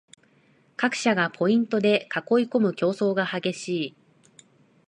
各社がポイントで囲いこむ競争が激しい